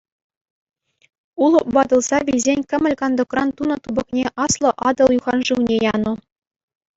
Улӑп ватӑлса вилсен кӗмӗл кантӑкран тунӑ тупӑкне Аслӑ Атӑл юхан шывне янӑ.